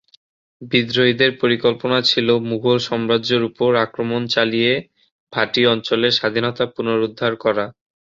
বিদ্রোহীদের পরিকল্পনা ছিল মুঘল সাম্রাজ্যের উপর আক্রমণ চালিয়ে ভাটি অঞ্চলের স্বাধীনতা পুনরুদ্ধার করা।